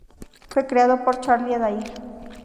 Fue creado por Charlie Adair.